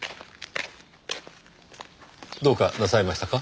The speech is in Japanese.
どうかなさいましたか？